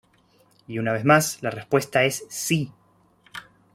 Y una vez más, la respuesta es sí.